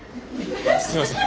すいません。